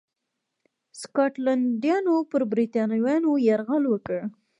سکاټلنډیانو پر برېټانیا یرغل وکړ.